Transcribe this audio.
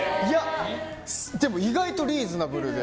でも、意外とリーズナブルで。